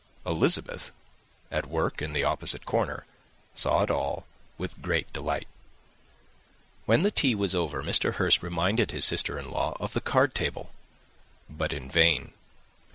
Elizabeth, at work in the opposite corner, saw it all with great delight. When tea was over Mr. Hurst reminded his sister in law of the card table but in vain.